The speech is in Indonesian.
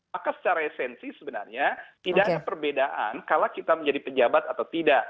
maka secara esensi sebenarnya tidak ada perbedaan kalau kita menjadi pejabat atau tidak